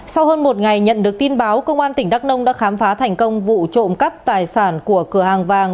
sau hơn một ngày nhận được tin báo công an tỉnh đắk nông đã khám phá thành công vụ trộm cắp tài sản của cửa hàng vàng